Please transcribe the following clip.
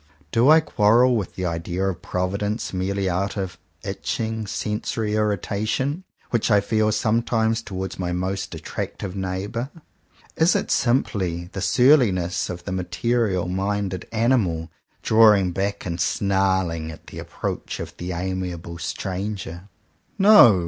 Do I quarrel 153 CONFESSIONS OF TWO BROTHERS with the idea of Providence merely out of itching, sensory irritation, which I feel sometimes towards my most attractive neighbour? Is it simply the surliness of the material minded animal, drawing back and snarling, at the approach of the amiable stranger? No!